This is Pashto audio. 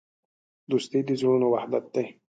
دوستي د زړونو وحدت دی.